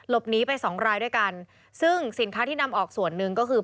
หนีไปสองรายด้วยกันซึ่งสินค้าที่นำออกส่วนหนึ่งก็คือ